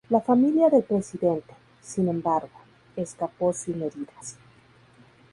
La familia del presidente, sin embargo, escapó sin heridas.